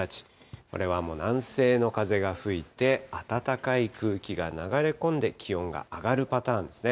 これはもう南西の風が吹いて、暖かい空気が流れ込んで、気温が上がるパターンですね。